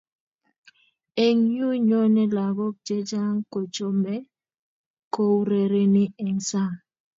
Eng yu nyone lakok che chang kochomei kourereni eng saang.